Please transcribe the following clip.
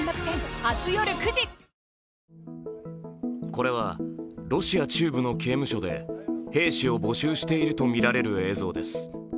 これはロシア中部の刑務所で兵士を募集しているとみられる映像です。